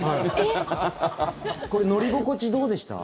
これ乗り心地どうでした？